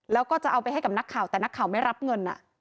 แล้วก็จะเอาไปให้กับนักข่าวแต่นักข่าวไม่รับเงิน